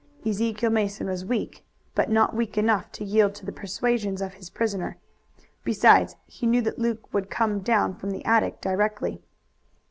Ezekiel Mason was weak, but not weak enough to yield to the persuasions of his prisoner. Besides, he knew that Luke would come down from the attic directly.